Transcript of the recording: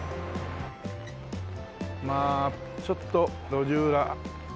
まあちょっと路地裏。